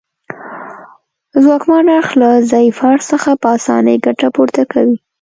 ځواکمن اړخ له ضعیف اړخ څخه په اسانۍ ګټه پورته کوي